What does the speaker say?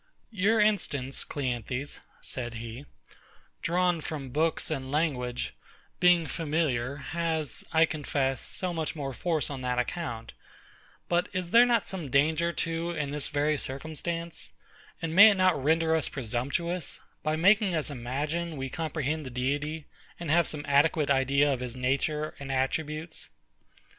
Your instance, CLEANTHES, said he, drawn from books and language, being familiar, has, I confess, so much more force on that account: but is there not some danger too in this very circumstance; and may it not render us presumptuous, by making us imagine we comprehend the Deity, and have some adequate idea of his nature and attributes?